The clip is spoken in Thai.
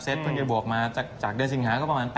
เซ็ตเพิ่งเย็นบวกมาจากเดือดสิงหาก็ประมาณ๘